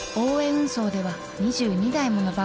運送では２２台もの馬運